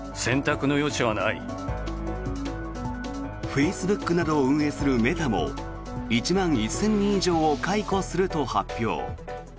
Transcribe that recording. フェイスブックなどを運営するメタも１万１０００人以上を解雇すると発表。